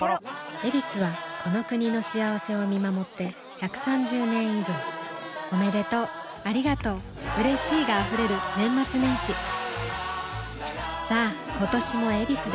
「ヱビス」はこの国の幸せを見守って１３０年以上おめでとうありがとううれしいが溢れる年末年始さあ今年も「ヱビス」で